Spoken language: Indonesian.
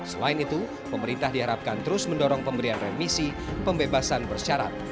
selain itu pemerintah diharapkan terus mendorong pemberian remisi pembebasan bersyarat